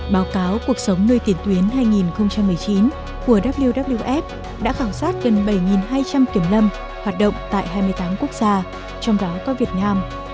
báo cáo cuộc sống nơi tiền tuyến hai nghìn một mươi chín của wwf đã khảo sát gần bảy hai trăm linh kiểm lâm hoạt động tại hai mươi tám quốc gia trong đó có việt nam